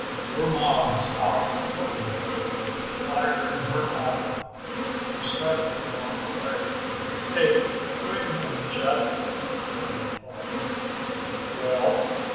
Your ma's out lookin' for you with fire in her eye." He started to walk away. "Hey, wait a minute Jeb," Johnny called. "Well?"